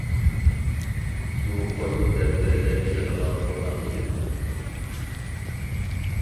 بۇ قويۇن دەپتىرىدەك كېلىدىغان قۇرئان ئىدى.